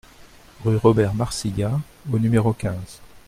Rue Robert Marcillat au numéro quinze